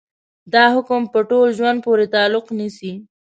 دا حکم په ټول ژوند پورې تعلق نيسي.